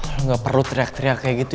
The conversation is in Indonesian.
lo gak perlu teriak teriak kayak gitu